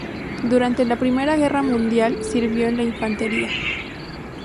Durante la primera guerra mundial sirvió en la infantería.